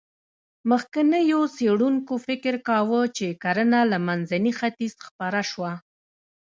مخکېنو څېړونکو فکر کاوه، چې کرنه له منځني ختیځ خپره شوه.